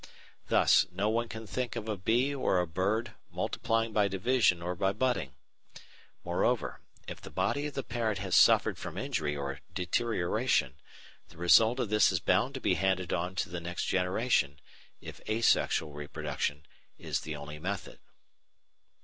Thus, no one can think of a bee or a bird multiplying by division or by budding. Moreover, if the body of the parent has suffered from injury or deterioration, the result of this is bound to be handed on to the next generation if asexual reproduction is the only method.